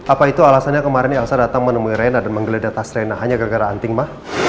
apa itu alasannya kemarin elsa dateng menemui rena dan menggeledah tas rena hanya gara gara anting ma